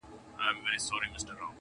ځلېدل به یې په لمر کي چاغ ورنونه -